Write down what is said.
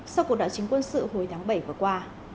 sau cuộc đảo chính quân sự hồi tháng bảy vừa qua